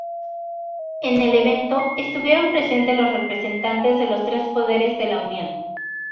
En el evento estuvieron presentes los representantes de los tres poderes de la unión.